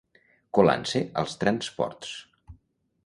Colant-se als transports.